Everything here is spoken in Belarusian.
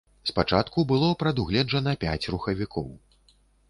Спачатку было прадугледжана пяць рухавікоў.